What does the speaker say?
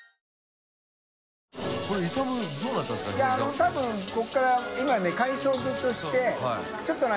多分ここから今ね改装をずっとして。